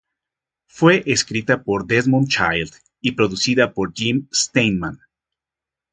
Fue escrita por Desmond Child y producida por Jim Steinman.